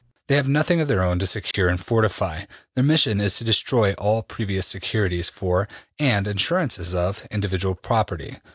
They have nothing of their own to secure and to fortify; their mission is to destroy all previous securities for, and insurances of, individual property.